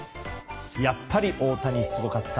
やっぱり大谷すごかった。